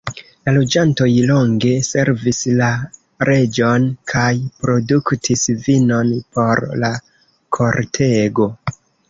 La loĝantoj longe servis la reĝon kaj produktis vinon por la kortego.